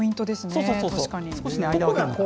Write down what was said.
そうそうそう。